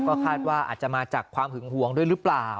ก็คาดว่าอาจจะมาจากความหึงหวงด้วยหรือเปล่า